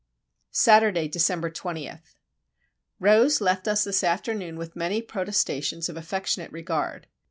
Saturday, December 20. Rose left us this afternoon with many protestations of affectionate regard.